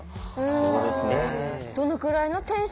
そうですね。